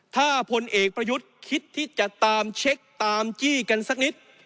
ถ้าพลเอกประยุทธ์คิดที่จะตามเช็คตามจี้กันสักนิด